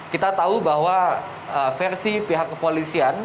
kita tahu bahwa versi pihak kepolisian